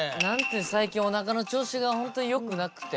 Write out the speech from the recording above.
最近おなかの調子がホントによくなくて。